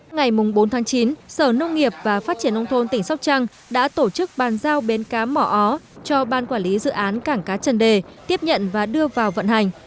ngày bốn chín sở nông nghiệp và phát triển nông thôn tỉnh sóc trăng đã tổ chức bàn giao bến cá mỏ ó cho ban quản lý dự án cảng cá trần đề tiếp nhận và đưa vào vận hành